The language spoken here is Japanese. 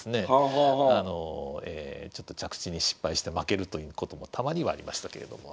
ちょっと着地に失敗して負けるということもたまにはありましたけれども。